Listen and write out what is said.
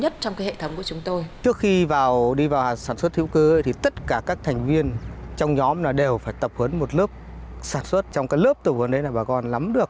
trong nhóm đều phải tập huấn một lớp sản xuất trong lớp tập huấn đấy là bà con lắm được